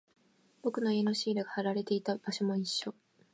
僕の家のシールが貼られていた場所も一緒。